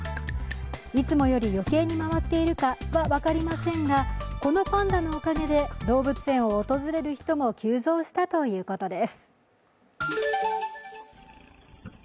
いつもより余計に回っているかは分かりませんがこのパンダのおかげで動物園を訪れる人も急増したということです。